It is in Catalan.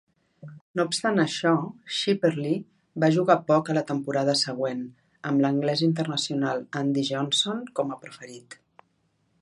No obstant això, Shipperley va jugar poc la temporada següent, amb l'anglès internacional Andy Johnson com a preferit.